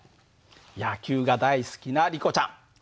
野球が大好きなリコちゃん。